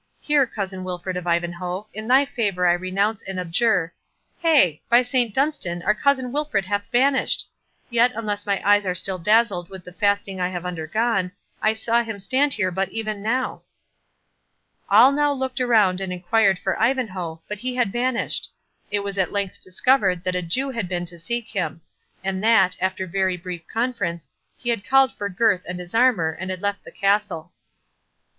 —Here, cousin Wilfred of Ivanhoe, in thy favour I renounce and abjure— Hey! by Saint Dunstan, our cousin Wilfred hath vanished!—Yet, unless my eyes are still dazzled with the fasting I have undergone, I saw him stand there but even now." All now looked around and enquired for Ivanhoe, but he had vanished. It was at length discovered that a Jew had been to seek him; and that, after very brief conference, he had called for Gurth and his armour, and had left the castle.